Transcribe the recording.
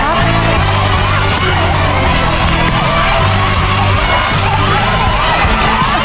เฮ้ยร่วมนี้สวย